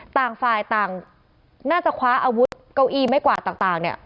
ต่างฝ่ายต่างน่าจะคว้าอาวุธเก้าอี้ไม่กวาดต่างเนี่ย